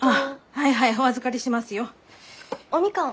はいはいお預かりしますよ。おみかん？